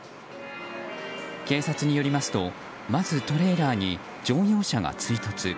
警察によりますとまずトレーラーに乗用車が追突。